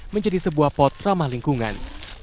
menjadi sebuah pot ramah lingkungan